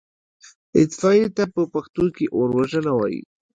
اطفائيې ته په پښتو کې اوروژنه وايي.